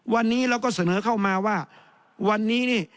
วันนี้เราก็เสนอเข้ามาว่าวันนี้นี่